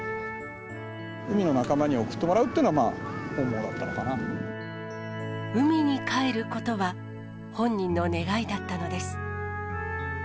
海の仲間に送ってもらうって海にかえることは本人の願いだったのです。